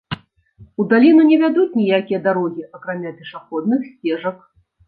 У даліну не вядуць ніякія дарогі, акрамя пешаходных сцежак.